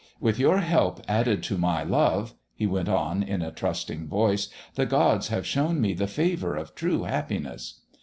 With your help added to my love," he went on in a trusting voice, "the gods have shown me the favour of true happiness!"